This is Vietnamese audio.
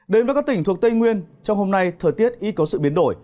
đến với các tỉnh thuộc tây nguyên trong hôm nay thời tiết ít có sự biến đổi